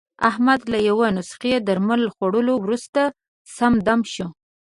احمد له یوې نسخې درمل خوړلو ورسته، سم دم شو.